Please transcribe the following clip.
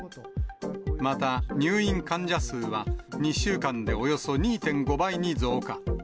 また、入院患者数は２週間でおよそ２．５倍に増加。